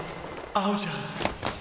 合うじゃん！！